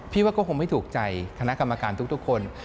พี่ว่าก็คงไม่ถูกใจคณะกรรมการทุกคน